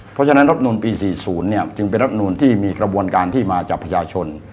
เพราะฉะนั้นรับนูลปี๔๐จึงเป็นรัฐมนูลที่มีกระบวนการที่มาจากประชาชน